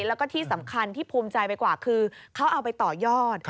แล้วก็ที่สำคัญที่ภูมิใจไปกว่าคือเขาเอาไปต่อยอด